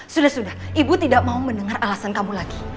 sudah sudah ibu tidak mau mendengar alasan kamu lagi